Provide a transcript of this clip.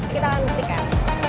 kita akan buktikan